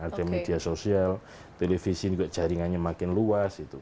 ada media sosial televisi juga jaringannya makin luas